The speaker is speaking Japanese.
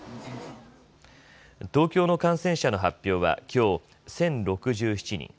東京の感染者の発表はきょう１０６７人。